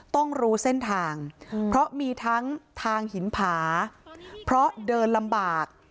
ต้องรู้เส้นทางเพราะมีทั้งทางหินผาเพราะเดินลำบาก